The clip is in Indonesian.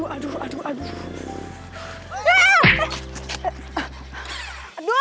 aduh aduh aduh aduh